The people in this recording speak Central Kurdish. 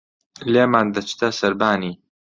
لێمان دەچتە سەربانی